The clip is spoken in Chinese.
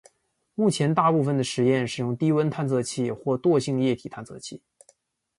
目前大部分的实验使用低温探测器或惰性液体探测器。